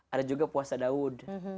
ada juga puasa daud